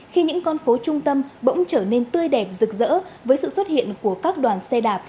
khi những con phố trung tâm bỗng trở nên tươi đẹp rực rỡ với sự xuất hiện của các đoàn xe đạp